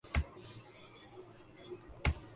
کیا یہ معاشی مضبوطی راتوں رات حاصل کی گئی